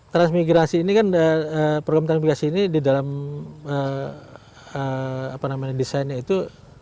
transmigrasi ini kan program transmigrasi ini di dalam desainnya itu